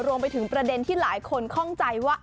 รวมไปถึงประเด็นที่หลายคนคล่องใจว่า